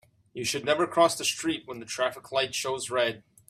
You should never cross the street when the traffic light shows red.